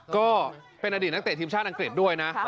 ก็เป็นอดีตนักเตะทีมชาติอังกฤษด้วยนะ